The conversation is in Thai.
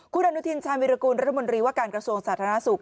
คุณอนุทินชาญวิรากูลรัฐมนตรีว่าการกระทรวงสาธารณสุข